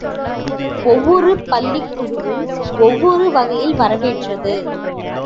ஒவ்வொரு பள்ளிக் குழுவும் ஒவ்வொரு வகையில் வரவேற்றது.